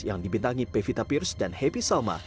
yang dibintangi pevita pierce dan happy salma